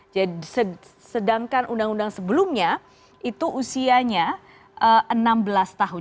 jadi sedangkan undang undang sebelumnya itu usianya enam belas tahun